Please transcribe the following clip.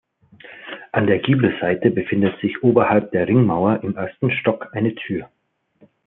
An der Giebelseite befindet sich oberhalb der Ringmauer im ersten Stock eine Tür.